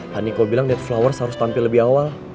pak niko bilang dead flowers harus tampil lebih awal